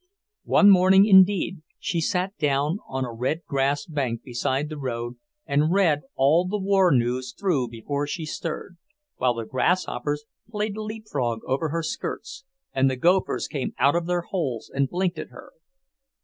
One morning, indeed, she sat down on a red grass bank beside the road and read all the war news through before she stirred, while the grasshoppers played leap frog over her skirts, and the gophers came out of their holes and blinked at her.